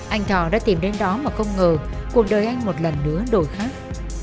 anh thọ đã tìm đến đó mà không ngờ cuộc đời anh một lần nữa đổi khác